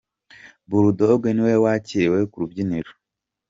Bull Dogg niwe wakiriwe ku rubyiniro.